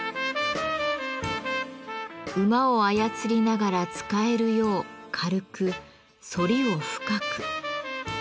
馬を操りながら使えるよう軽く反りを深く。